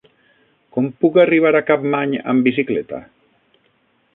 Com puc arribar a Capmany amb bicicleta?